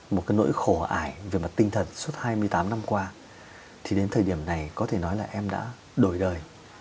một cái nỗi khổ ải về mặt tinh thần suốt hai mươi tám năm qua thì đến thời điểm này có thể nói là em đã đổi đời